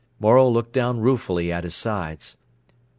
Morel looked down ruefully at his sides.